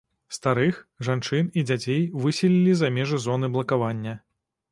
Старых, жанчын і дзяцей выселілі за межы зоны блакавання.